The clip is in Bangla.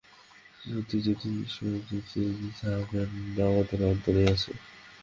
সত্য যদি থাকে, ঈশ্বর যদি থাকেন, আমাদের অন্তরেই আছেন।